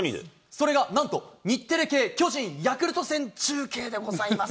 それがなんと、日テレ系巨人・ヤクルト戦中継でございます。